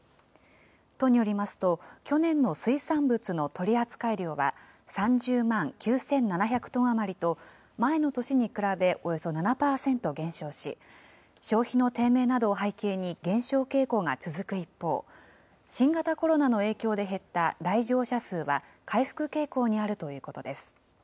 都によりますと、去年の水産物の取り扱い量は３０万９７００トン余りと、前の年に比べおよそ７％減少し、消費の低迷などを背景に減少傾向が続く一方、新型コロナの影響で減った来場者数は、回復傾向にあるということです。